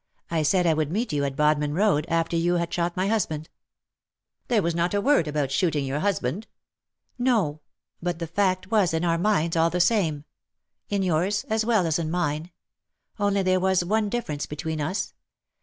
I said I would meet you at Bodmin Road, after you had shot my husband.'^ *^ There was not a word about shooting your husband.^' "Noj but the fact was in our minds, all the same — in yours as well as in mine. Only there was one difference between us.